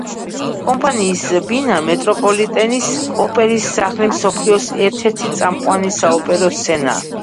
კომპანიის ბინა მეტროპოლიტენის ოპერის სახლი მსოფლიოს ერთ-ერთი წამყვანი საოპერო სცენაა.